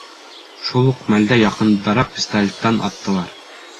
Шул уҡ мәлдә яҡындараҡ пистолеттан аттылар.